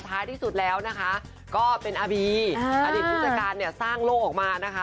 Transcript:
ท้ายที่สุดแล้วนะคะก็เป็นอาบีอดีตผู้จัดการเนี่ยสร้างโลกออกมานะคะ